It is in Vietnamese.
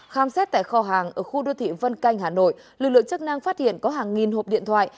khám xét tại kho hàng ở khu đô thị vân canh hà nội lực lượng chức năng phát hiện có hàng nghìn hộp điện thoại